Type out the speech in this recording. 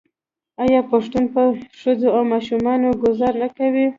آیا پښتون په ښځو او ماشومانو ګذار نه کوي؟